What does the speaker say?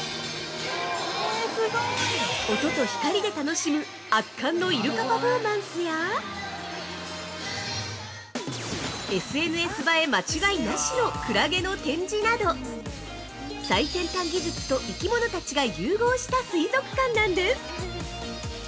音と光で楽しむ圧巻のイルカパフォーマンスやＳＮＳ映え間違いなしのクラゲの展示など、最先端技術と生き物たちが融合した水族館なんです！